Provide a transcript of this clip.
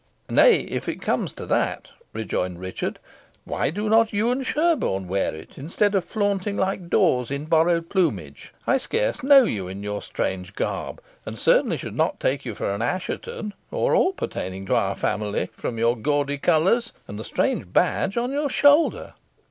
"Nay, if it comes to that," rejoined Richard, "why do not you and Sherborne wear it, instead of flaunting like daws in borrowed plumage? I scarce know you in your strange garb, and certainly should not take you for an Assheton, or aught pertaining to our family, from your gaudy colours and the strange badge on your shoulder."